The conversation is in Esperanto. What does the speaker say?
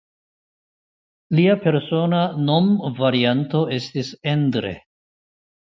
Lia persona nomvarianto estis "Endre".